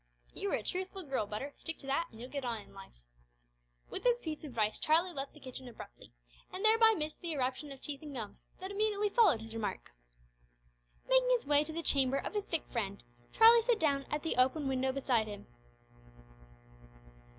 "You are a truthful girl, Butter stick to that, and you'll get on in life." With this piece of advice Charlie left the kitchen abruptly, and thereby missed the eruption of teeth and gums that immediately followed his remark. Making his way to the chamber of his sick friend, Charlie sat down at the open window beside him.